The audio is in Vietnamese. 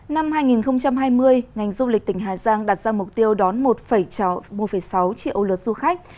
năm hai nghìn hai mươi ngành du lịch tỉnh hà giang đặt ra mục tiêu đón một sáu triệu lượt du khách